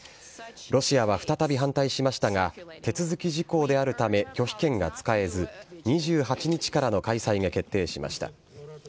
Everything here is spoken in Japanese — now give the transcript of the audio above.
ロシアは再び反対しましたが、手続き事項であるため拒否権が使えず、２８日からの開催が決定しました。